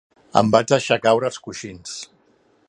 Em vaig deixar caure als coixins.